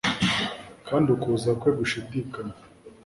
Kandi ukuza kwe gushidikanya